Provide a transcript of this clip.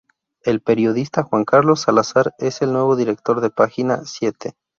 El periodista Juan Carlos Salazar es el nuevo director de Página Siete.